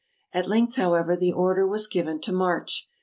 At length, however, the order was given to march.